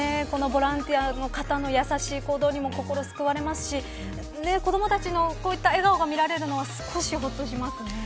このボランティアの方のやさしい行動にも心が救われますし子どもたちのこうした笑顔が見られるのは少しほっとします。